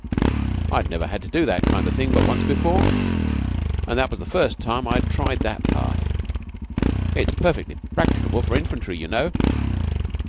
I'd never had to do that kind of thing but once before, and that was the first time I tried that path. It's perfectly practicable for infantry, you know.